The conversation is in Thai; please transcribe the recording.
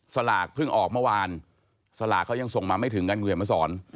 สลากเพิ่งออกเมื่อวานสลากเขายังส่งมาไม่ถึงกันคุณเขียนมาสอน